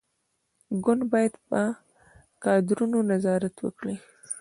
ګوند باید پر کادرونو نظارت وکړي.